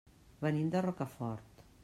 Venim de Rocafort.